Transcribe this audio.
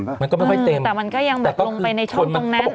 แต่มันก็ยังประสบน้ำลงไปในช่องตรงนั้น